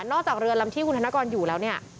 จากเรือลำที่คุณธนกรอยู่แล้วเนี่ย